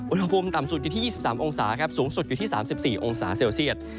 อุณหภูมิต่ำสุดอยู่ที่๒๓องศาครับสูงสุดอยู่ที่๓๔องศาเซลเซียต